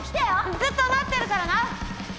ずっと待ってるからな！